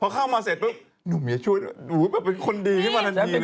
พอเข้ามาเสร็จบอกหนูเหมาะหนูแบบเป็นคนดีที่มันดีเลย